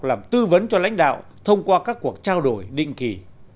làm tư vấn cho lãnh đạo thông qua các cuộc trao đổi định kỳ